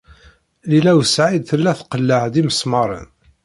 Lila u Saɛid tella tqelleɛ-d imesmaṛen.